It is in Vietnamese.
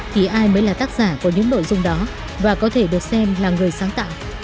thì ai mới là tác giả của những nội dung đó và có thể được xem là người sáng tạo